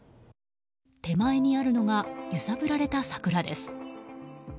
手前にあるのが揺さぶられた桜です。